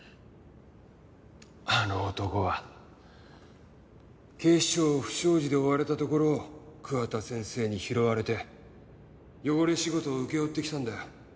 あの男は警視庁を不祥事で追われたところを桑田先生に拾われて汚れ仕事を請け負ってきたんだよ。